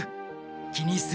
気にするな。